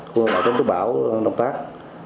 khu vực bảo chống chống bão đông tắc